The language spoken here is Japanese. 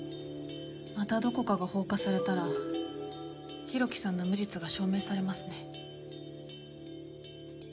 またどこかが放火されたら浩喜さんの無実が証明されますね。